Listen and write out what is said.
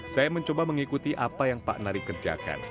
saya mencoba mengikuti apa yang pak nari kerjakan